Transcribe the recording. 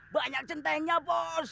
banyak centengnya bos